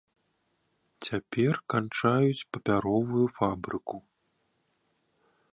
Цяпер канчаюць папяровую фабрыку.